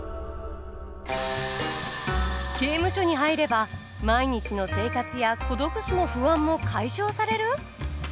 刑務所に入れば毎日の生活や孤独死の不安も解消される！？